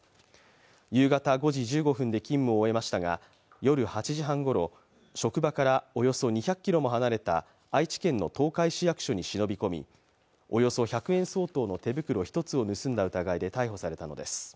夕方５時１５分で勤務を終えましたが夜８時半ごろ、職場からおよそ２００ｋｍも離れた愛知県の東海市役所に忍び込み、およそ１００円相当の手袋１つを盗んだ疑いで逮捕されたのです。